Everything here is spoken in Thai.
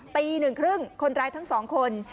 ตี๑ครึ่งคนร้ายทั้ง๒คน